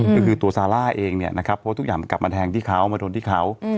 ก็คือตัวซาร่าเองเนี่ยนะครับเพราะทุกอย่างมันกลับมาแทงที่เขามาโดนที่เขา